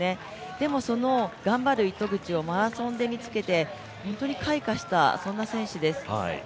でもその頑張る糸口をマラソンで見つけて本当に開花した、そんな選手です。